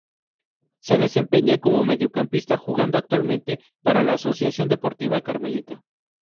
Se desempeña como mediocampista jugando actualmente para la Asociación Deportiva Carmelita.